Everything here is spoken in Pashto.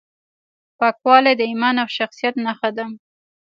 پاکوالی د ایمان او شخصیت نښه ده.